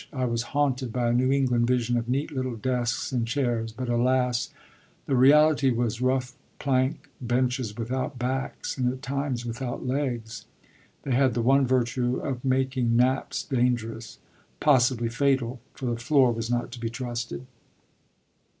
I was haunted by a New England vision of neat little desks and chairs, but, alas! the reality was rough plank benches without backs, and at times without legs. They had the one virtue of making naps dangerous, possibly fatal, for the floor was not to be trusted.